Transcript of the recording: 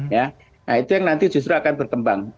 nah itu yang nanti justru akan berkembang